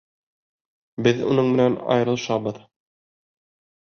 Беҙ уның менән айырылышабыҙ.